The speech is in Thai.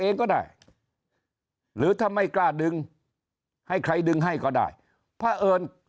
เองก็ได้หรือถ้าไม่กล้าดึงให้ใครดึงให้ก็ได้พระเอิญ